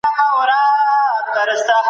تاسي تل د نېکۍ په لاره روان یاست.